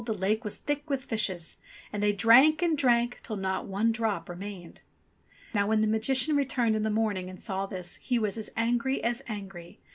the lake was thick with fishes. And they drank and drank, till not one drop remained. Now when the Magician returned in the morning and saw this he was as angry as angry.